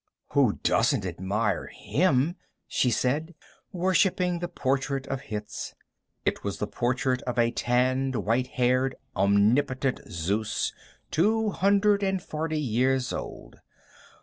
"Who doesn't admire him?" she said, worshiping the portrait of Hitz. It was the portrait of a tanned, white haired, omnipotent Zeus, two hundred and forty years old.